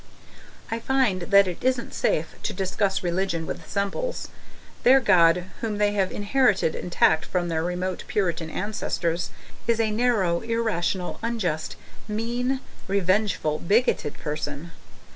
I find that it isn't safe to discuss religion with the Semples. Their God (whom they have inherited intact from their remote Puritan ancestors) is a narrow, irrational, unjust, mean, revengeful, bigoted Person.